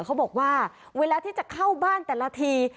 เขาบอกว่าเวลาที่จะเข้าบ้านแต่ละที